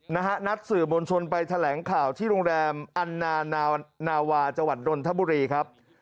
นะฮะนัดสื่อบนชนไปแถลงข่าวที่โรงแรมอันนาวาจดนทบุรีครับ